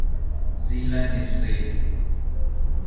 Zeeland is safe.